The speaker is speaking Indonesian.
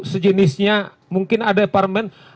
atau sejenisnya mungkin ada parmen